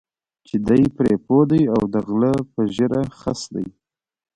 چې دی پرې پوه دی او د غله په ږیره خس دی.